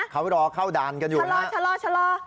เขารอเข้าด่านกันอยู่นะฉลอฉลอฉลอ